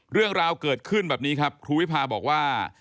เรื่องราวเกิดขึ้นแบบนี้ครับครูวิพาบอกว่า